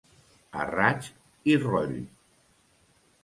A raig i roll.